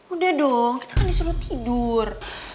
udah dong kita kan disuruh tidur